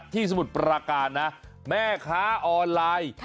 สมุทรปราการนะแม่ค้าออนไลน์